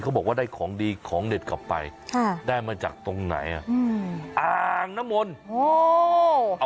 เขาบอกว่าได้ของดีของเด็ดกลับไปเต็มมาจากตรงไหนน่ะ